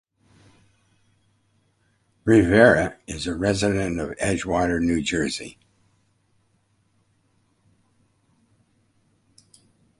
Rivera is a resident of Edgewater, New Jersey.